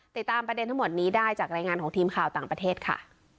ติดตามประเด็นทั้งหมดนี้ได้จากรายงานของทีมข่าวต่างประเทศค่ะ